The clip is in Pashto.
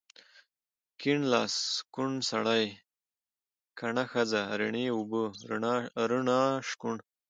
کيڼ لاس، کوڼ سړی، کڼه ښځه، رڼې اوبه، رڼا، شکوڼ